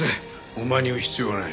お前に言う必要はない。